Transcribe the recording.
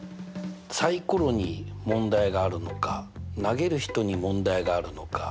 サイコロに問題があるのか投げる人に問題があるのか。